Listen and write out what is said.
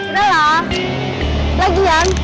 udah lah lagian